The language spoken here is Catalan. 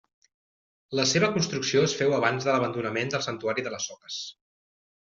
La seva construcció es féu abans de l'abandonament del santuari de les Soques.